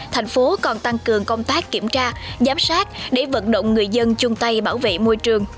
thành phố còn tăng cường công tác kiểm tra giám sát để vận động người dân chung tay bảo vệ môi trường